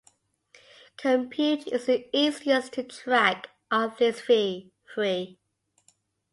Compute is the easiest to track of these three.